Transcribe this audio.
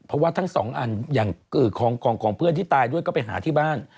เพราะว่าทั้งสองอันอย่างของเพื่อนที่ตายด้วยก็ไปหาที่บ้าน